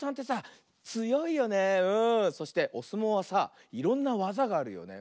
そしておすもうはさいろんなわざがあるよね。